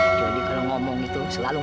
mku menunjuk ke atta dan mengilhakanango